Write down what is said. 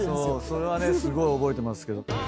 それはねすごい覚えてますけど。